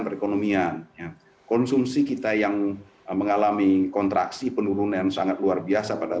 perekonomian konsumsi kita yang mengalami kontraksi penurunan sangat luar biasa pada